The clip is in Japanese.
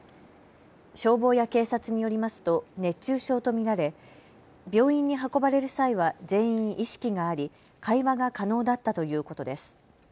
消防や警察によりますと熱中症と見られ病院に運ばれる際は全員、意識があり会話が可能だったということです。